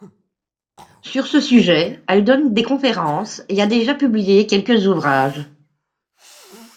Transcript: Sur ce sujet, elle donne des conférences et a déjà publié quelques ouvrages.